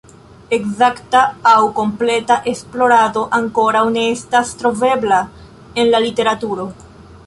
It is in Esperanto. Ekzakta aŭ kompleta esplorado ankoraŭ ne estas trovebla en la literaturo.